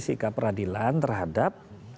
sikap peradilan terhadap